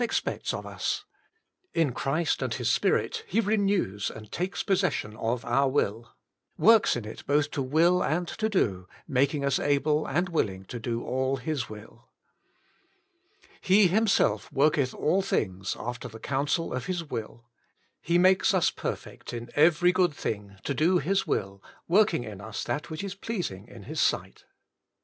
Expects of Us. In Christ and, His Spirit He renews and takes pos session of our will : works in it both to will and to do, making us able and willing to do all His will. He Himself worketh all things after the coun sel of His will. "He makes us perfect in every good thing to do His will, working in us that which is pleasing in His sight."